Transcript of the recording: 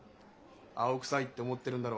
青臭いって思ってるんだろ。